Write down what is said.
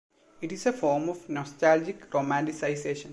It is a form of nostalgic romanticisation.